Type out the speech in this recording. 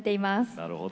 なるほど。